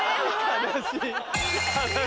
悲しい。